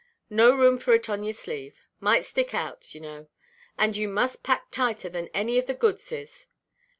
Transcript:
No room for it on your sleeve. Might stick out, you know, and you must pack tighter than any of the goods is.